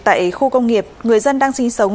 tại khu công nghiệp người dân đang sinh sống